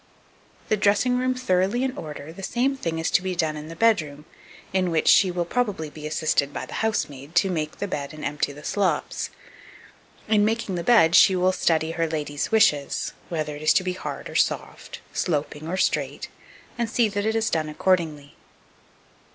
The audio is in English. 2261. The dressing room thoroughly in order, the same thing is to be done in the bedroom, in which she will probably be assisted by the housemaid to make the bed and empty the slops. In making the bed, she will study her lady's wishes, whether it is to be hard or soft, sloping or straight, and see that it is done accordingly.